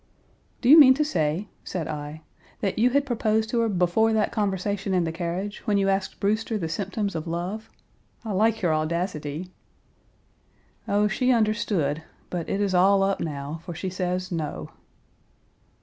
"Do you mean to say," said I, "that you had proposed to her before that conversation in the carriage, when you asked Brewster the symptoms of love? I like your audacity." "Oh, she understood, but it is all up now, for she says, 'No!'